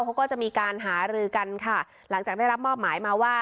เขาก็จะมีการหารือกันค่ะหลังจากได้รับมอบหมายมาว่า